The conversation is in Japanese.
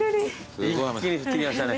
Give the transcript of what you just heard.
一気に降ってきましたね。